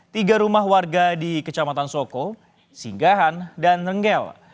tiga rumah warga di kecamatan soko singgahan dan rengel